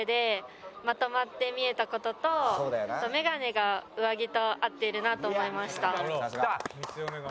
メガネが上着と合っているなと思いました。